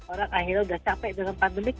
orang akhirnya sudah capek dalam pandemik